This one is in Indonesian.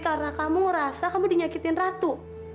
karena kamu ngerasa kamu dinyakitin ratu